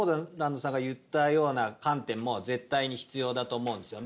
ＲＯＬＡＮＤさんが言ったような観点も絶対に必要だと思うんですよ。